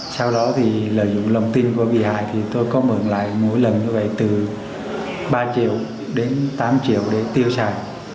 sau đó thì lợi dụng lòng tin của bị hại thì tôi có mượn lại mỗi lần như vậy từ ba triệu đến tám triệu để tiêu xài